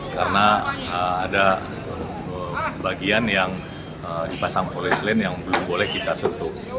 karena ada bagian yang dipasang polis lain yang belum boleh kita sentuh